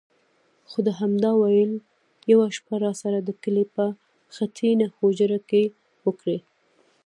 خو ده همدا ویل: یوه شپه راسره د کلي په خټینه هوجره کې وکړئ.